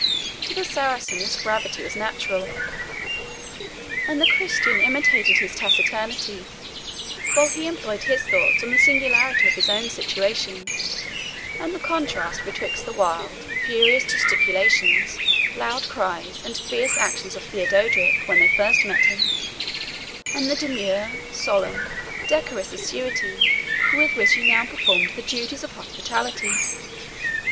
To the Saracen this gravity was natural; and the Christian imitated his taciturnity, while he employed his thoughts on the singularity of his own situation, and the contrast betwixt the wild, furious gesticulations, loud cries, and fierce actions of Theodorick, when they first met him, and the demure, solemn, decorous assiduity with which he now performed the duties of hospitality.